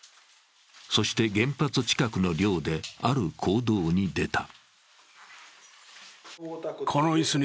そして原発近くの寮である行動に出た。